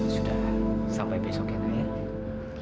sudah sampai besok ya ma ya